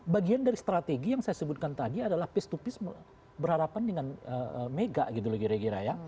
bagian dari strategi yang saya sebutkan tadi adalah peace to peace berhadapan dengan mega gitu loh kira kira ya